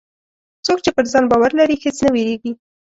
څوک چې پر ځان باور لري، هېڅ نه وېرېږي.